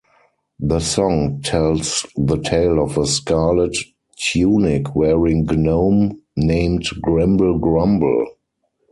The song tells the tale of a scarlet tunic wearing gnome named Grimble Gromble.